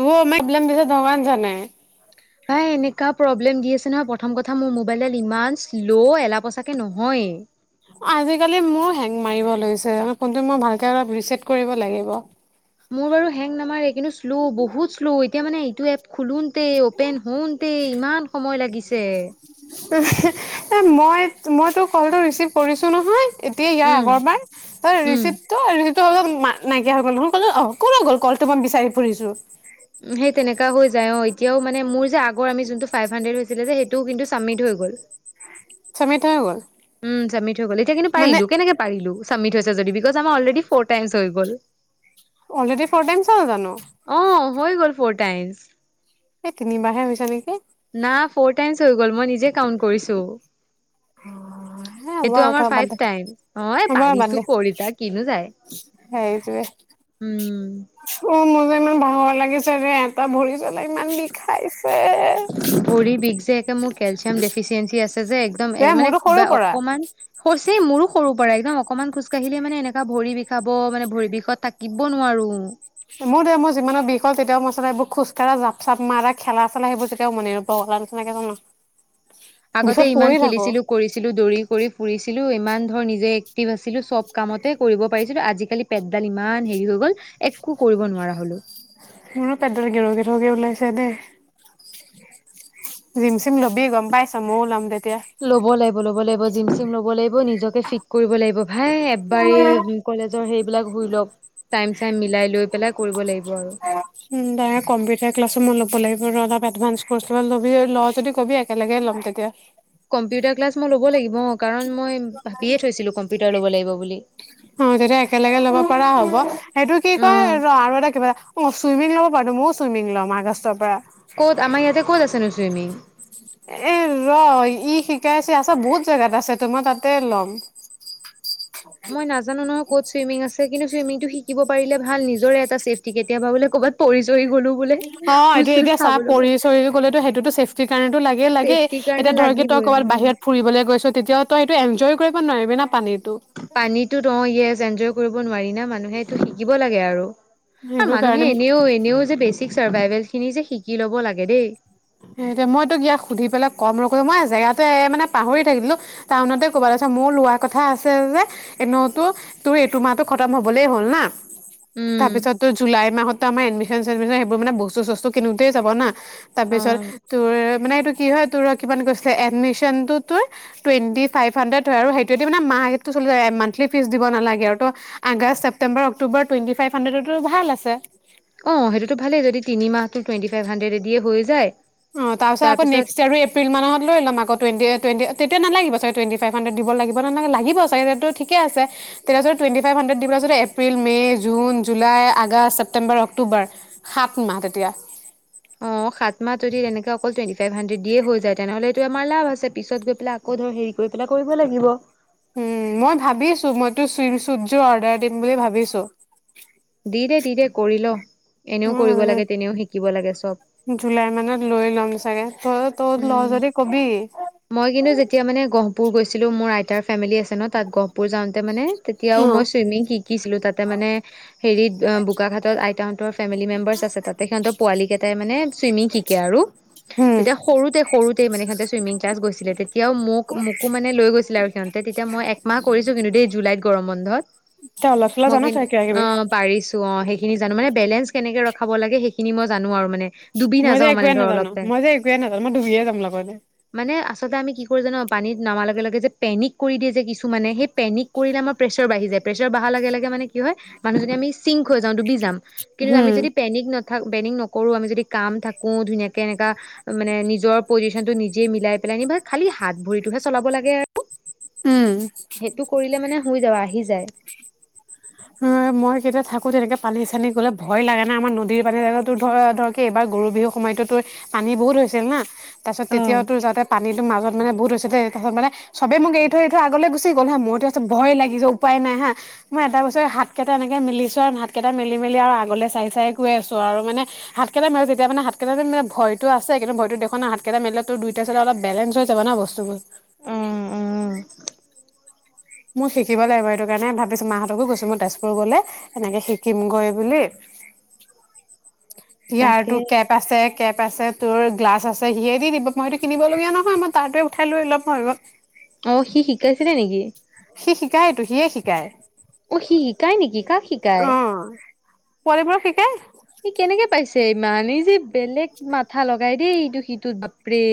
ত আমাৰ বিলাম দিছ ধৱান জান নাই ভাই এনেকুৱা প্ৰব্লেম দি আছে নহয় প্ৰথম কথা মোৰ মোবাইলডাল ইমান শ্ল' এল পচাকে নহয়েই আজিকালি মোৰ হেং মাৰিব লৈছে ফোনটো মই ভালকে অলপ ৰিচট কৰিব লাগিব মোৰ বাৰু হেং নামাৰে কিন্তু শ্ল' বহুত শ্ল' এতিয়া মানে এইটো এপ খো অপেন হাউটে ইমান সময় লাগিছে এই মই মই তোৰ কলটো ৰিচিভ কৰিছোঁ নহয় এতিয়া ইয়াৰ উম আগৰবাৰ ত উম ৰিচিপ টো অলা নাইকিয়া হৈ গ'ল ন ক অ কত গ'ল কলটো মই বিচাৰি ফুৰিছো [inaudible] চমি থ হৈ গ'ল উম চামি থ হৈ গ'ল এতিয়া কিন্তু মানে পাৰিলো কেনেকে পাৰিলো [inaudible] অলৰেডি ফ'ৰ টাইমছ হল জানো অ হৈ গ'ল ফৰ টাইম এই তিনিবাৰহে হৈছে নেকি না ফৰ টাইমচ হৈ গ'ল মই নিজে কাউণ্ট কৰিছো নেকি হে হ'ব সেইটো আৰু আমাৰ থ বাদ ফাইভ দে টাইম অ হ'ব আৰু বাদ দে পাৰিছো কৰিতা কিনো যায় সেইটোৱে উ অ মোৰ ইমান ভাঙৰ লাগিছে যে এটা ভৰি পেলাই ইমান বি খাইছে ভৰি বিষ যে তেওঁ কেলছিয়াম দেফিছেঞ্চি আছে যে একদম মোৰতো সৰুৰ কিবা পৰা এ মোৰো সৰু পৰা একদম অকণমান খোজকাাঢ়িলে মানে এনেকা ভৰি বিষাব মানে ভৰি বিষত থাকিব নোৱাৰো মোৰ দে মোৰ যিমানো বিষ হ'ল তেতিয়াও মইচানে এইবোৰ খোজকাঢ়া জাপ-চাপ মাৰা খেলা চেলা সেইবোৰ তেতিয়াও মনে নবলা নিচিনাকে জানো আগতে ইমান খেলিছিলো কৰিছিলো দৌৰি কৰি ফুৰিছিলো ইমান ধৰ নিজে এক্টিভ আছিলো চব কামতে কৰিব পাৰিছিল আজিকালি পেটডাল ইমান হেৰি হৈ গ'ল একো কৰিব নোৱাৰা হলো মোৰো পেটডাল গেৰো গেঠোকে ওলাইছে দেই জিম চিম ল'বি গম পাইছ মইয়ো লম তেতিয়া ল'ব লাগিব ল'ব লাগিব জিম চিম ল'ব লাগিব নিজকে ফিট কৰিব লাগিব হে এবাৰেই কলেজ সেইবিলাক ধুই ল টাইম চাইম মিলাই লৈ পেলাই কৰিব লাগিব আৰু উ দাদা কম্পিউটাৰ ক্লাছো মই ল'ব লাগিব অলপ এডভানস ক ল লবি ল যদি কবি একেলগে ল'ম তেতিয়া কম্পিউটাৰ ক্লাছ মই লব লাগিব কাৰণ মই ভাৱিয়ে থৈছিলো কম্পিউটাৰ লব লাগিব বুলি ব সেইটো কি অ কয় ৰ আৰু এটা কিবা অ চুইমিং লব পাৰো ময়ো চুইমিং লম আগষ্টৰ পৰা ক'ত আমাৰ ইয়াতে ক'ত আছেনো চুইমিং এ ৰ ই শিকাইছে আছ বহুত জেগাত আছেতো মই তাতে লম। মই নাজানো নহয় ক'ত চুইমিং আছে। তই কিন্তু চুইমিং টো শিকিব পাৰিলে ভাল নিজৰে এটা চেফটি কেতিয়াবা বোলে ক'বাত পৰিছ অ এইটো এতিয়া চাহ গ'ল পৰি চৰি গলেতো সেইটোতো চেফ্টিৰ কাৰণটো লাগেই লাগেই ছেফটিৰ কাৰণে এতিয়া ধৰক তই লাগিবই কৰবাত উম বাহিৰত ফুৰিবলৈ গৈছ। তেতিয়া তই এইটো এন্জয় কৰিব নোৱাৰিবি না পানীত পানীতো ৰ ইয়েচ এনয‌ই। কৰিব নোৱাৰি না মানুহে এইটো শিকিব লাগে আৰু। আৰু সেইটো মানুহে কাৰণে এনেও এনেও যে বেচিক চাৰ্ভাইভেল খিনি যে শিকি ল'ব লাগে দেই মই তোক ইয়াক সুধি পেলাই কম লগো মই জেগাটো মানে পাহৰি থাকিলো টাউনতে ক'বাত আছে মোৰ লোৱাৰ কথা আছে যে এনেতো তোৰ এইটো মাহটো খতম হবলেই হ'ল না। উম, তাৰপিছতো জুলাই মাহত ত আমাৰ এডমিচন চেডমিচন সেইবোৰ মানে বস্তু চস্তু কিনোতে যাব না তাৰপিছত অ', তোৰ মানে তোৰ কি হয় তোৰ ৰ কিমান গৈছিলে এডমিচনতো তোৰ টুৱেন্টি ফাইভ হাইড্ৰেট হয় আৰু সেইটোদি মানে মাহ ৰেটতো চলি যায় মানথলি ফিচ দিব নালাগে আৰু তই আগষ্ট, ছেপ্তেম্বৰ, অক্টোবৰ টুৱেন্টি ফাইভ হাইড্ৰেটটো ভাল আছে অঁ সেইটোতো ভালেই যদি তিনি মাহটো টুৱেন্টি ফাইভ হাণ্ড্ৰেডেটেদিয়ে হৈ যায় অ তাৰ পিছত আকৌ তাৰপিছত নেক্সট ইয়াৰো এপ্ৰিল মাহত লৈ ল'ম আগত টুৱেন্টি অ টুৱেন্টি তেতিয়া নালাগিব চাগে টুৱেন্টি ফাইভ হান্ডেট দিব লাগিব না নালাগে লাগিব চাগে ত ঠিকে আছে তেতিয়া যদি টুৱেন্টি ফাইভ হান্ডেট দিব পেলাই যদি April May June July August September October সাত মাহ তেতিয়া অ সাত মাহ যদি তেনেকে অকল টুৱেণ্টি ফাইভ হাড্ৰেদ দিয়ে হৈ যায় তেনেহ'লে এইটো আমাৰ লাভ আছে পিছত গৈ পেলাই আকৌ ধৰ হেৰি কৰি পেলাই কৰিব লাগিব উম মই ভাৱিছো মইতো ছুইম চোটযোৰ অৰ্ডাৰ দিম বুলি ভাৱিছো দি দে দি দে কৰি ল এনেও মই কৰিব লাগে ভাবিছো তেনেও শিকিব লাগে চব ত তোৰ লঅ উম। যদি কবি গপুৰ গৈছিলোঁ মোৰ আইতাৰ ফেমিলি আছে ন তাত গহপুৰ যাওতে মানে তেতিয়াও উম। মই চুইমিং শিকিছিলো তাতে মানে হেৰিত বোকা ঘাটত আইতাহতৰ ফেমিলি মেম্বাৰ্চ আছে তাতে সিহঁতৰ পোৱালি কেইটাই মানে চুইমিং শিকে আৰু উম, তেতিয়া তে সৰুতেই মানে সিহঁতে চইমিং ক্লাছ গৈছিলে, তেতিয়াও মোক মানে লৈ গৈছিলে। আৰু সিহঁতে তেতিয়া মই একমাহ কৰিছো কিন্তুে দেই জুলাইত গৰম বন্ধ গৰম বন্ধত। তই অলপ চলপ মই জান কিন্তু তই কিবা কিবি অ' পাৰিছো অ' সেই সেইখিনি জানো মানে বেলেছ কেনেকে ৰখাব লাগে সেইখিন মই জানো আৰু মানে। ডুবি মই যে নাযাও মানে একুৱেই ধৰ অলপ নাজানো, টাইম একোৱেই নাজানো। মই ডুবিয়ে যাম লগতে। মানে আচলতে আমি কি কৰি জান' পানীত নামাৰ লগে লগে যে পেনিক কৰি দিয়ে যে, কিছুমানে সেই পেনিক কৰিলে আমাৰ প্ৰেছাৰ বাঢ়ি যায় প্ৰেছাৰ বাঢ়াৰ লগে লগে মানে কি হয় মানুহজনী আমি চিংক হৈ যাওঁ ডুবি যাম কিন্তু আমি উম। যদি পেনিক নাথাক বেনিং নকৰো আমি যদি কাম থাকো ধুনীয়াকে এনেকা। মানে নিজৰ পজিচনটো নিজে মিলাই পেলাই নিবা খালি হাত ভৰিটোহে চলাব লাগে আৰু। উম। সেইটো কৰিলে মানে শুই যাবা আহি যায়। অ' মই কেতিয়া থাকো তেনেকে পানী চানী গ'লে ভয় লাগে না আমাৰ নদীৰ পানী তোৰ ধ ধৰক এইবাৰ গৰু বিহুৰ সময়তো তোৰ পানী বহুত হৈছিল না। তাৰ অ পিছততিয়াও তো যাতে পানীটো মাজত মানে বহুত হৈছে। তাৰ পাছত ছবে মোক এৰি থৈ এৰি থ আগলৈ গুচি গ'ল হা মোৰতটোছ ভয় লাগি যে উপায় নাই হা মই এটা বস্তু হাতকেইটা এনেকে মেলিছোঁ আৰু হাত কেইটা মেলি- মেলি আগলে চাই- চাই গৈ আছো আৰু মানে হাত কেইটা মিলো যেতিয়া মানে হাত কেইটা মেলিলে ভয়তো আছে কিন্তু ভয়তো দেখুওৱা নাই হাতকেইটা মিল তোৰ দুইটা চলে অল বেলেঞ্চ হৈ যাব ন বস্তুবোৰ। উম উম মোৰ শিকিব লাগিব এইটো কাৰণে ভাবিছো মাহঁতকো গৈছো মই তেজপুৰ গলে এনেকে শিকিম গৈ বুলি। তাকে ইয়াৰতো কেপ আছে -কেপ আছে। তোৰ গ্লাছ আছে সিয়ে দি দিব মইতো কিনিব লগীয়া নহয় মই তাৰে উঠাই লো অলপ। অ' সি শিকাইছিলে নেকি? সি শিকায় তো সিয়ে শিকায়। অ' সি শিকায় নেকি কাক শিকায়? ছোৱালী বোৰক শিকাই। সি কেনেকে পাইছে ইমান এই যে। বেলেগ মাথা লগাই। এইটো সিটোত বাপৰে।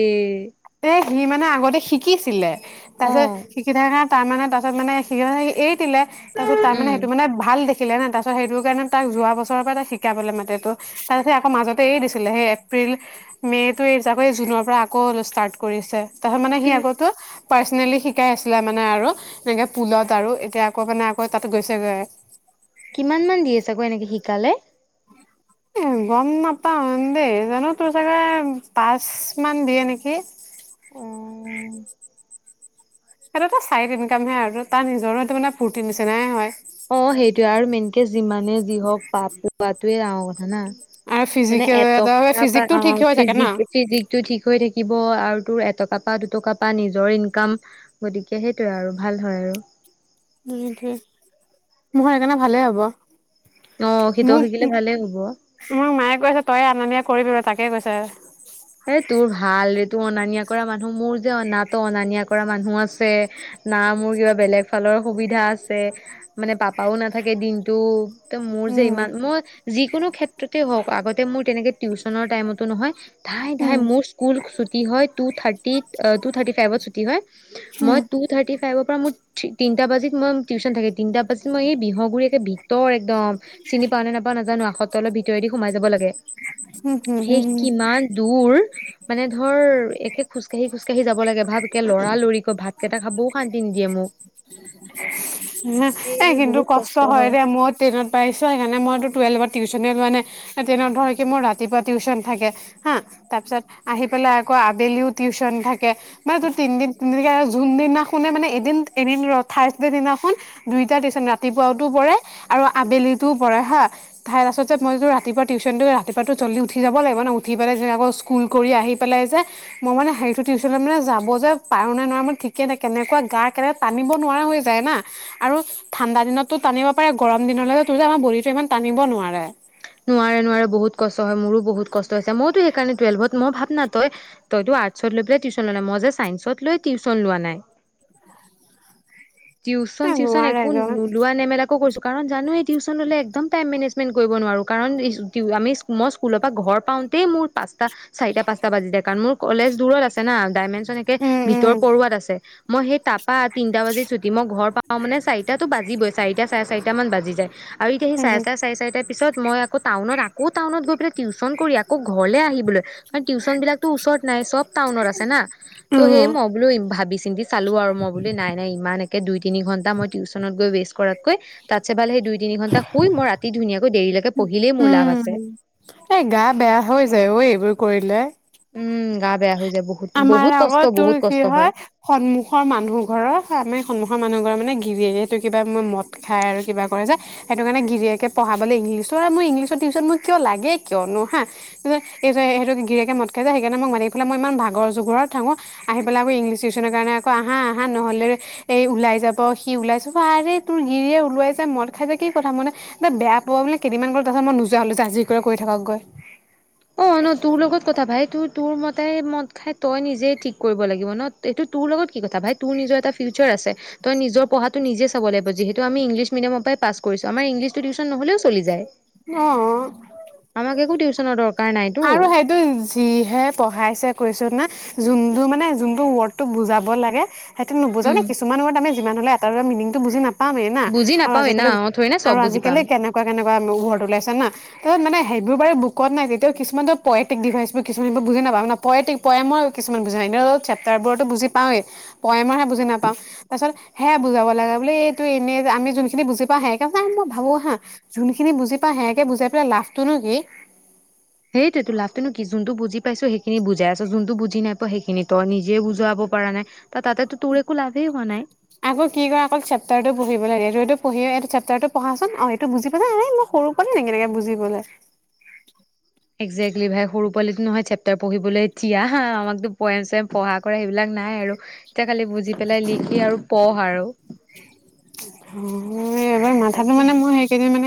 এ সি মানে আগতে শিকিছিলে। তাৰ অ পিছত শিকি থাকা কাম তাৰ মানে তাৰাছত মানে সি এই তাৰ পিছত তাৰ মানে উম সেইটো মানে ভাল দেখিলে শিকিলে ন' তাৰপাছত সেইটো কাৰণে তাক যোৱা বছৰৰ পৰা তাক শিকা পেললে মাতেটো তাৰপাছত আকৌ মাজতে এই দিছিলে সেই এপ্ৰিল মে' টো আকৌ এই জুনৰ পৰা আকৌ জুনৰ পৰা আকৌ ষ্টাৰ্ট কৰিছে। তহত মানে কি সি আগতে পাৰ্চনেলি শিকাই আছিলে মানে আৰু এনেকে পুলত আৰু এতিয়া আকৌ আপুনি আকৌ তাত গৈছেগৈ। কিমান মান দি আছে আকৌ এনেকে শিকালে। এ গম নাপাও দেই জানো তোৰ চাগে পাঁচ মান দিয়ে নেকি। অ সেইটোতো চাইট ইনকামহে আৰু তাৰ নিজৰো সটো মানে ফূৰ্তি নিছে নাই হয় অ সেইটোয়ে আৰু মেইন যিমানে যি হওক পাপ পোৱাাতোৱে ৰাও যানা আৰু মানে ফিজিকেল এটা এটকা প ফিজিকটো ঠিক অ হৈ থাকে ন ফিজিক ফিজিকটো ঠিক হৈ থাকিব আৰু তোৰ এটকা পা দুটকা পা নিজৰ ইনকাম গতিকে সেইটোয়ে আৰু ভাল হয় আৰু উমিক মখৰ সেইকাৰণে ভালে হ'ব অ সিটো শিকিলে মোক ভালেই হ'ব। মাক মায়ে কৈ আছে তই আননিয় কৰিব তাকে কৈছে এ তোৰ ভাল ৰে তোৰ অনা নিয়া কৰা মানুহ মোৰ যেনাো অনা নিয়া কৰা মানুহ আছে না মোৰ কিবা বেলেগ ফালৰ সুবিধা আছে মানে পাপাও নাথাকে দিনটো মোৰ যে উম ইমান মই যিকোনো ক্ষেত্ৰতে হওঁক আগতে মোৰ তেনেকে টিউচনৰ টাইমতো নহয়। ধাই উম ধাই মোৰ স্কুল ছুটী হয় টু থাৰ্টিত টু থাৰ্টি ফাইভত ছুটী হয় মই উম টু থাৰ্টি ফাইভৰ পৰা মোৰ তিনিটা বাজিত মই টিউচন থাকে। তিনটাৰ পাছত মই এই বিহুৰি একে ভিতৰত একদম চিনি পাওঁ নে নাপাওঁ নাজানো। সটোলৰ ভিতৰে দি সোমাই যাব লাগে। উম উম সেই উম উম। কিমান তুৰ মানে ধৰ একে খোজকাাঢ়ি খোজকাঢ়ি যাব লাগে। ভাব কেইটা লৰালৰিকৈ ভাত কেইটা খাবওঁ শান্তি নিদিয়ে মোক এ কিন্তু কষ্ট হয় দে মই টেনত পাইিছো সেইকাৰণে মইতো টুৱেল্ভত টিউচনে মানে তেনে ধৰ কি মোৰ ৰাতিপুৱা টিউশচন থাকে হা। তাৰ পিছত আহি পেলাই আকৌ আবেলিও টিউশচন থাকে। মান তোৰ তিনদিন তিদিন যোনদিনাখুনে মানে এদিন এদিন ৰ থাৰছডে দিনাখন দুইতটা টিউশচন ৰাতিপুৱা পৰে আৰু আবেলিতো পৰে হা তাইৰ তাছতে যে মই যটো ৰাতিপুৱা টিউশচনটো ৰাতিপুৱাতো জল্দি উঠি যাব লাগিব ন উঠি পেলাই যে আকৌ স্কুল কৰি আহি পেলাই যে মই মানে সেইটো টিউচনত মান যাব যে পাৰো নাই নোৱাৰো মানে ঠিকে নাই কেনেকুৱা গা কেনেকৈ টানিব নোৱাৰা হৈ যায় না আৰু ঠাণ্ডা দিনতটো টানিব পাৰে গৰম দিন তোৰ যে আমাৰ বডীতটো ইমান টানিব নোৱাৰে নোৱাৰে নোৱাৰে বহুত কষ্ট হয়। মোৰো বহুত কষ্ট হৈছে। মই টো সেই কাৰণে টোৱেলভত মই ভাব না তই টো আৰ্টছ ত লৈ পেলাই মই টো চাইন্স ত লৈ ও তিউতছন লোৱা নাই। টিউচন এ চিউচন নোৱাৰে একো গ নোলোৱা নেমেলাকো কৰিছো কাৰণ জানোৱ এই টিউশচন হলে একদম। মেজমেন কৰিব নোৱাৰো কাৰণ আমি মই স্কুলৰ পৰা ঘৰ পাওঁতেই মোৰ পাঁচটা চাৰিটা পাঁচটা বাজিে কাৰণ মোৰ কলেজ দূৰত আছে না ডাইমেনচনে উম উম ভিতৰ পৰুৱাত আছে মইহে তাপ পা তিনটা বাজি ছুটি মই ঘৰ পাওঁ মানে চাৰিটাতো বাজি বৈ চাৰিটা চাৰে চাৰিটা মান বাজি যায় আৰু এতিয়া সি উম চাৰেটা চাৰে চাৰিটা পিছত মই আকৌ টাউনত আকৌ টাউনত গৈ পেলাই টিউচন কৰি আকৌ ঘৰলে আহিবলৈ কাৰ টিউচন বিলাকতো ওচৰত নাই চব টাউনত আছে না ত' উম সেই ম বলো ই ভাবি চিন্তি চালো আৰু মই বুলি নাই নাই ইমান একে দুই তিনি ঘন্টা মই টিউচনত গৈ ৱেষ্ট কৰাতকৈ তাতছে ভালে সেই দুই তিনি ঘন্টা শুই মই ৰাতি ধুনিয়া কৈ দেৰি। উম এ গা বেয়া হৈ যায় এইবোৰ কৰ লে উম গা বেয়া হৈ যাব। আমাৰ আগত তোৰ কি হয় সন্মুখৰ মানুহ ঘৰৰ আমি সন্মুখৰ মানুহ ঘৰ মানুহ। মানে গিৰিয়েটো কিবা ম মদ খাই আৰু কিবা কৰে যে সেইটো কাৰণে গিৰিয়েকে পঢ়াবলৈ ইংলিছ মোৰ ইংলিছৰ টিউচন মোৰ কিয় লাগে কিয় নোহা সেইটো গিৰেকে মদ খাই যায় সেইকাৰে মাতি ফেল মই ই ভ আগৰ ঘৰত ওচৰত থাকো আহি পেলাই আকৌ ইংলিছ টিউচনৰ কাৰণে আকৌ আহা -আহা নহ'লে এই ওলাই যাব সি ওলাই যাব, আৰে তোৰ গিৰিয়ে ওলাই যায় মদ খাই যে কি কথা মান বেয়া পাব বোলে কেইদিনমান গ'ল তাৰপছত মই নোযোৱা হ'লো জা জ জি কৰি কৰি থাকক গৈ অ ন তোৰ লগত কথা ভাই তোৰ তোৰ মতাই মদ খাই তই নিজে ঠিক কৰিব লাগিব ন এইটো তোৰ লগত কি কথা ভাই তোৰ নিজৰ এটা। নিশ্চয় আছে তই নিজৰ পঢ়াত ত নিজে চাব লাগ যিহেত আমি ইংলছ মিডিয়ামৰ পৰা পাছ কৰিছো আমা ইংলছটো টিউচন নহলেও চলি যায়। অহ কোনো ডৰকাৰ আৰু সেইটো যিহে পঢ়াইছে কৈছো না যোনটো মানে, যোনটো ৱৰ্ডটো বুজাব লাগে সেইটো নুবুজা নে, উম কিছুমান ৱৰ্ড আমি যিমান হলে এটা মিনিং বুজি নাপা পামেই না, বুজি আৰু নাপাওৱে না আজিকালি, অ থৰি না চব আৰু বুজি আজিকালি পাম। কেনেকুৱা কেনেকুৱা নিউজত ওলাইছে ন। তাত মানে সেইবোৰ মানে বুকত নাই। তেওঁ কিছুমান ত পয়টিক দেখাইছিলো, কিছুমানটো বুজি নাপা ন, পয়টিক পয়েমৰ কিছুমান বুজি নাই, চেপ্তাৰ বোৰতো বুজি পাৱেই পয়ামৰহে বুজি নাপাওঁ, তাৰ পিছত সেয়া বুজাব লাগা ব বুলিলে এইটো এনে যে আম যোনখিনি বুজি পাওঁ সে মই ভাবো হা যোনখিনি বুজি পাওঁ সেয়াকে বুজাই পেলাই লাভটোনো কি? সেইটোটো লাভটো নো কি যোনটো বুজি পাইছো সেইখিনি বুজাই আছে, যোনটো বুজি নাই পোৱা সেইখিনি তই নিজে বুজুৱাব পৰা নাই। ত তাতেতো তোৰ একো লাভেই হোৱা নাই। আকৌ কি ক আকৌ চেপ্তাৰ টো পঢ়িব লাগে। পঢ়িয়ে চেপটাৰটো পঢ়াচোন, অ সেইটো বুজি পালাই ন মই সৰু পোৱালীনেকি তেনেকাকে বুজিবলে। একজেকলি ভাই সৰু পোৱালিতো নহয় চেপ্তাৰ পঢ়িবলৈ তিয়া আমাকতো পয়েম চয়েম পঢ়া কৰা সেইবিলাক নাই আৰু। এতিয়া খালি বুজি পেলাই লিখি আৰু পঢ় আৰু অ। তাকে,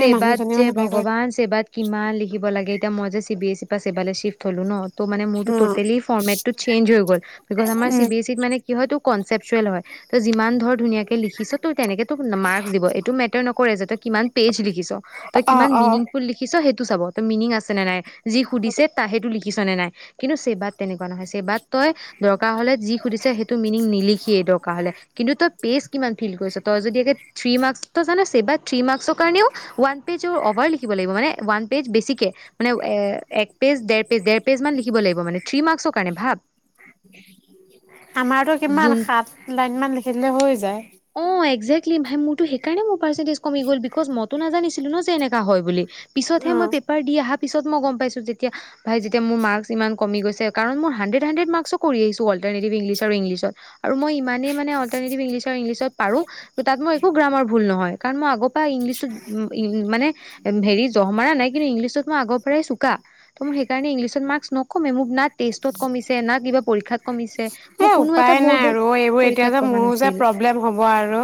চেবাত মানুহজনী যে মানে বেয়া কৰি ভগৱান, চেৱাত কিমান লিখিব লাগে এ মই যে চিবিএছ ছি পৰা ছেবালে শিফট হলো নহ ত মানে মোৰতো উম টোতেলি ফৰমেতটো চেনজ হৈ গ'ল, বিকজ আমাৰ চি উম বি এছ ছিত মানে কিহতো কন চেপচুৱেল হয়, যিমান ধৰ ধুনীয়াকে লিখিছ ত তেনেকেতো মাৰ্কচ দিব, এইটো মে যাতে কিমান পেজ লি লিখিছ, তই অ কিমান অ মিনিংফুল লিখিছ হেইটো তো চাব, ত মিনিং আছে নে নাই, যি সুধিছে তা সেইটো লিখিছ নে নাই কিন্তু চেবাত তেনেকুৱা নহয় চেবাত তই দৰকাৰ হলে যি সুধিছে সেইটো মিনিং নিলিখিয়ে দৰকাৰ হলে কিন্তু তই পেচ কিমান ফিল কৰিছ তই যদি থ্ৰী মাৰ্ক্স ত জান ছেবাত থ্ৰী মাৰ্ক্সৰ কাৰণে ৱান পেইজৰ অভাৰ লিখিব লাগিব, মানে মানে ৱান পেইজ বেছিকে অ এ ডেৰ পেজ ডেৰ পেজ মান লিখিব লাগিব মানে থ্ৰী মাৰ্কৰ কাৰণে ভাব। আমাৰতো কিমান সাত লাইন মান লিখি দিলে হৈ যায় অ একজেকলি ভাই, মোৰটো সেইকাৰণে মোৰ পাৰ্চেন্টেজ কমি গ'ল বিকজ মইতো নাজানিছিলো ন যে এনেকুৱাও হয় বুলি পিছতহে উম মই পেপাৰ দি আঁহা পিছত মই গম পাইছো, যেতিয়া ভাই যেতিয়া মোৰ মাৰ্ক্স ইমান কম গৈছে কাৰন মোৰ হান্দ্ৰেড হান্দ্ৰেড মাৰ্ক্সো কৰি আহিছো অলটাৰনেটিভ ইংলিছ আৰু ইংলিছত। আৰু মই ইমানেই মানে অল্টাৰ্নেটিভ ইংলিছ ইংলিছত পাৰো, তাত মই একো গ্ৰামাৰ ভুল নহয়, উম উম মানে হেৰি আগৰ পৰা চোকা ত সেইকাৰণেই মাৰ্ক্স ন কমে মোক না টেষ্টত কমিছে না কিবা পৰীক্ষাত কমিছে, এ মোক কোনো উপায় এটা নাই বৰ্ড পৰীক্ষাত কমা নাছিল। বাৰু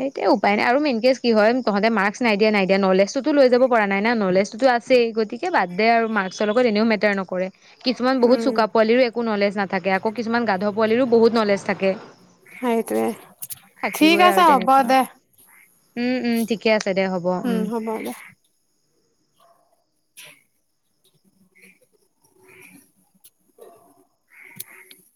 সেইটোয়ে উপায় নাই আৰু মেইন কেচ কি হয় তহঁতে মাৰ্ক্স নাই দিয়া নাই দিয়া নলেজ টোতো লৈ যাব পৰা নাই না নলেজ তোতো আছেই গতিকে বাদ দে আৰু মাৰ্ক্সৰ লগত এনেও মেটাৰ নকৰে। কিছুমান বহুত উম চুকা পোৱালীৰ একো নলেজ নাথাকে আকৌ কিছুমান গাধ পোৱালিৰো বহুত নলেজ থাকে সেইটোৱে ঠিক থাকিবই আৰু আছে হ'ব তেনেকুৱা দে উম উম ঠিকে আছে দে দে হ'ব উম হ'ব দে